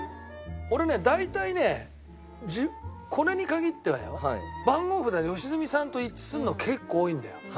俺ね大体ねこれに限ってはよ番号札で良純さんと一致するの結構多いんだよ。